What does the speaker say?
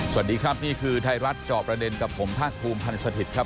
สวัสดีครับนี่คือไทยรัฐจอบประเด็นกับผมภาคภูมิพันธ์สถิตย์ครับ